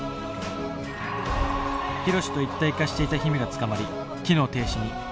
ヒロシと一体化していた姫が捕まり機能停止に。